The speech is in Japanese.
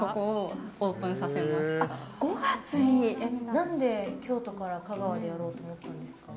何で京都から香川でやろうと思ったんですか？